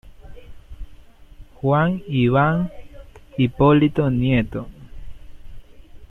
Juan Iván Hipólito Nieto.